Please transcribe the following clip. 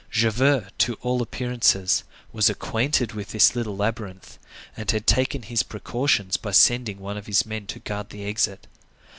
Javert, to all appearances, was acquainted with this little labyrinth, and had taken his precautions by sending one of his men to guard the exit.